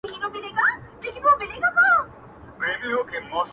خدایه دا څه کیسه وه، عقيدې کار پرېښود؟